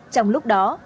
trong lúc đó